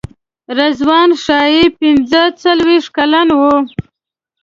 رضوان ښایي پنځه څلوېښت کلن وي.